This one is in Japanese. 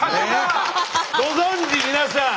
ご存じ皆さん。